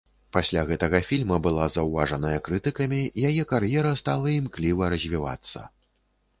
Пасля гэтага фільма была заўважаная крытыкамі, яе кар'ера стала імкліва развівацца.